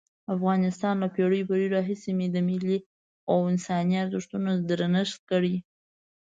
افغانستان له پېړیو پېړیو راهیسې د ملي او انساني ارزښتونو درنښت کړی.